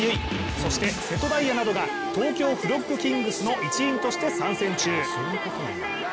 そして瀬戸大也などが東京フロッグキングスの一員として活躍中。